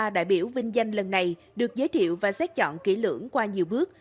hai trăm sáu mươi ba đại biểu vinh danh lần này được giới thiệu và xét chọn kỹ lưỡng qua nhiều bước